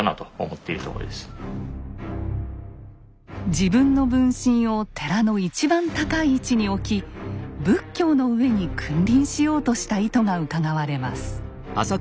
自分の分身を寺の一番高い位置に置き仏教の上に君臨しようとした意図がうかがわれます。